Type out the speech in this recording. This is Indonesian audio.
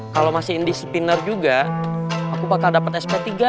kalau masih indisipliner juga aku bakal dapet sp tiga